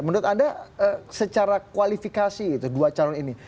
menurut anda secara kualifikasi itu dua calon ini